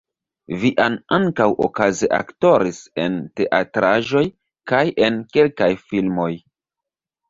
Vian ankaŭ okaze aktoris en teatraĵoj kaj en kelkaj filmoj.